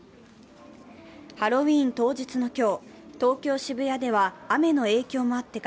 ハロウィーン当日の今日、東京・渋谷では雨の影響もあってか